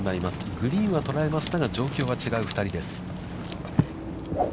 グリーンは捉えましたが、状況は違う２人です。